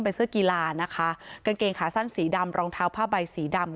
เป็นเสื้อกีฬานะคะกางเกงขาสั้นสีดำรองเท้าผ้าใบสีดำ